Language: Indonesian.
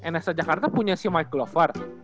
nsr jakarta punya si mike glover